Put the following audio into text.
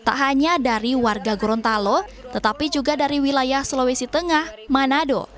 tak hanya dari warga gorontalo tetapi juga dari wilayah sulawesi tengah manado